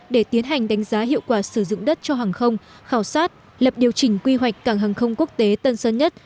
để tiến hành đánh giá hiệu quả sử dụng đất cho hàng không khảo sát lập điều chỉnh quy hoạch cảng hàng không quốc tế tân sơn nhất